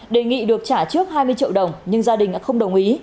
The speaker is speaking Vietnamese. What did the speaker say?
đề nghị được trả trước hai mươi triệu đồng nhưng gia đình đã không đồng ý